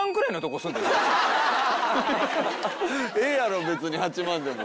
ええやろ別に８万でも。